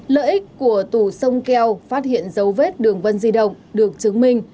lợi ích của tù sông keo phát hiện dấu vết đường vân di động được chứng minh